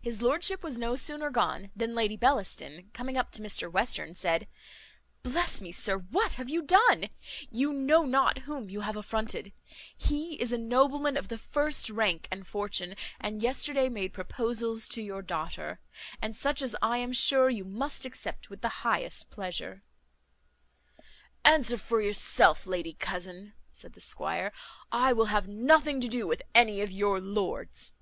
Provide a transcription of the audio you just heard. His lordship was no sooner gone, than Lady Bellaston, coming up to Mr Western, said, "Bless me, sir, what have you done? You know not whom you have affronted; he is a nobleman of the first rank and fortune, and yesterday made proposals to your daughter; and such as I am sure you must accept with the highest pleasure." "Answer for yourself, lady cousin," said the squire, "I will have nothing to do with any of your lords.